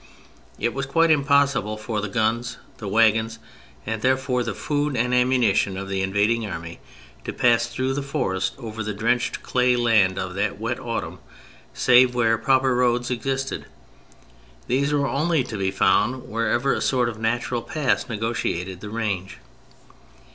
It was quite impossible for the guns, the wagons, and therefore the food and the ammunition of the invading army, to pass through the forest over the drenched clay land of that wet autumn save where proper roads existed. These were only to be found wherever a sort of natural pass negotiated the range.